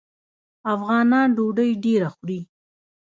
افغانان ډوډۍ ډیره خوري.